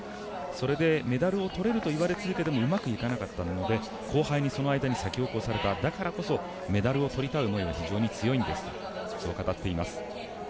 それでメダルを取れると言われ続けてもうまくいかなかったので後輩にその間に先を越されただからこそメダルを取りたい思いが強いんです、と語っています。